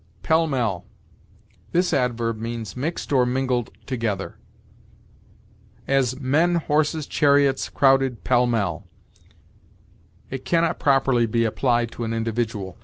PELL MELL. This adverb means mixed or mingled together; as, "Men, horses, chariots, crowded pell mell." It can not properly be applied to an individual.